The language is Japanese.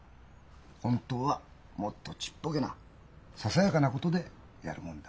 本当はもっとちっぽけなささやかなことでやるもんだ。